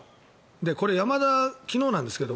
これ山田、昨日なんですけど。